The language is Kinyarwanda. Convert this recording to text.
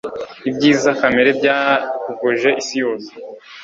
Ibyiza kamere byahogoje isi yose.